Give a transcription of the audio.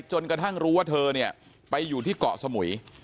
จนกระทั่งรู้ว่าเธอเนี่ยไปอยู่ที่เกาะสมุย